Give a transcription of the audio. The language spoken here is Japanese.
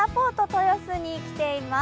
豊洲に来ています。